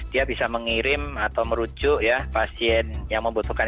dia bisa mengirim atau merujuk ya pasien yang membutuhkan